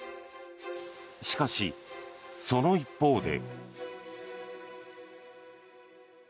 しかし、その一方で。